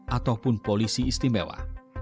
ataupun polisi istimewa